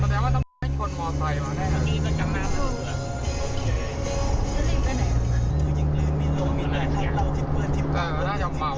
แสดงว่าต้องให้คนหมอไฟมาได้นี่ก็จัดหน้าตัว